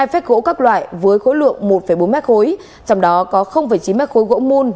bốn mươi hai phép gỗ các loại với khối lượng một bốn mét khối trong đó có chín mét khối gỗ môn